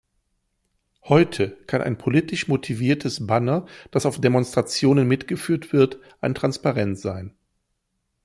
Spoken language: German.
Heute kann ein politisch motiviertes Banner, das auf Demonstrationen mitgeführt wird, ein Transparent sein.